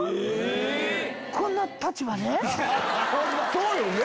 そうよね！